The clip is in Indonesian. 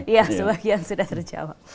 ya sebagian sudah terjawab